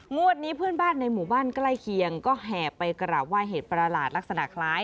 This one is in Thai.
งวดนี้เพื่อนบ้านในหมู่บ้านใกล้เคียงก็แห่ไปกราบไห้เหตุประหลาดลักษณะคล้าย